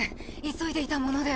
急いでいたもので。